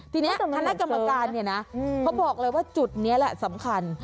ทีนี้คณะกรรมการเนี่ยนะเขาบอกเลยว่าจุดนี้แหละสำคัญ